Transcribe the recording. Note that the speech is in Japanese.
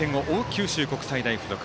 九州国際大付属。